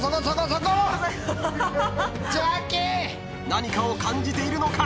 何かを感じているのか！？